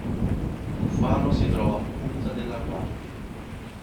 Un faro si trova a punta della Guardia.